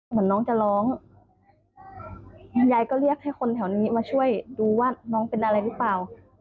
เหมือนน้องจะร้องยายก็เรียกให้คนแถวนี้มาช่วยดูว่าน้องเป็นอะไรหรือเปล่า